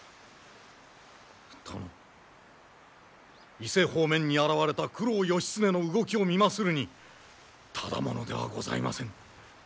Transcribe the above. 殿伊勢方面に現れた九郎義経の動きを見まするにただ者ではございません。